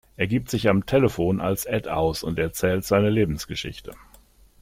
Er gibt sich am Telefon als „Ed“ aus und erzählt seine Lebensgeschichte.